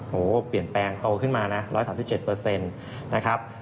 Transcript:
โหเปลี่ยนแปลงโตขึ้นมานะ๑๓๗เปอร์เซ็นต์นะครับ